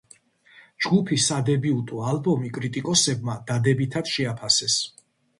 ჯგუფის სადებიუტო ალბომი კრიტიკოსებმა დადებითად შეაფასეს.